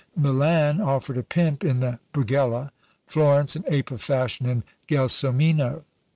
Milan offered a pimp in the Brighella; Florence an ape of fashion in Gelsomino.